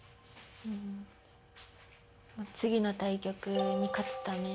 次の対局に勝つため。